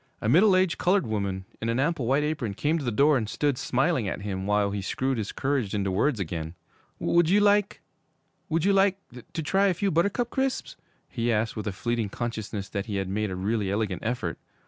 A middle aged colored woman, in an ample white apron, came to the door and stood smiling at him while he screwed his courage into words again. 'Would you like would you like to try a few Buttercup Crisps?' he asked, with a fleeting consciousness that he had made a really elegant effort.